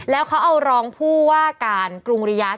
แล้วเขาเอารองผู้ว่าการกรุงริยาท